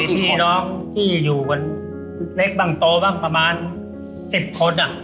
พี่น้องที่อยู่เล็กบังโตประมาณ๑๐คน